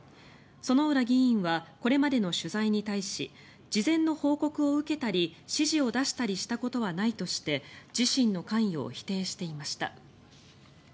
薗浦議員はこれまでの取材に対し事前の報告を受けたり指示を出したりしたことはないとして自身の関与を否定していました。